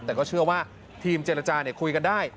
แต่ว่าทีมเจรจาคุยกันได้